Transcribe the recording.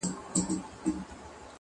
نور د دردونو له پاچا سره خبرې وکړه,